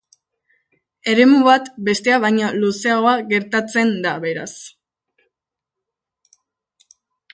Eremu bat bestea baino luzeagoa gertatzen da, beraz.